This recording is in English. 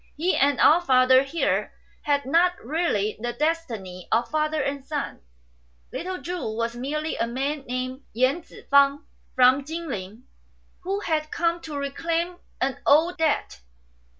He and our father here had not really the destiny of father and son. Little Chu was merely a man named Yen Tzu fang, from Chin ling, who had come to reclaim an old debt."